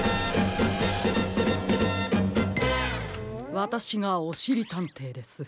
⁉わたしがおしりたんていです。